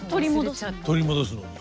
取り戻すのに？